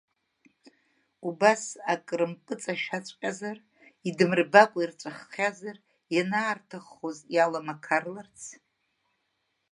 Убас ак рымпыҵашәаҵәҟьазар, идмырбакәа ирҵәахызар, ианаарҭаххоз иаламақарларц?